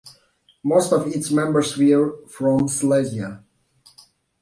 Most of its members were from Silesia.